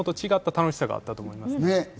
違った楽しさがあったと思います。